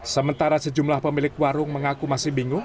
sementara sejumlah pemilik warung mengaku masih bingung